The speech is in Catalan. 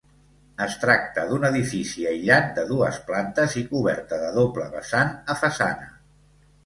Es tracta d'un Edifici aïllat de dues plantes i coberta de doble vessant a façana.